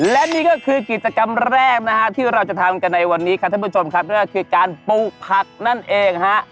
และนี่ก็คือกิจกรรมแรกนะฮะที่เราจะทำกันในวันนี้ครับท่านผู้ชมครับนั่นก็คือการปลูกผักนั่นเองฮะ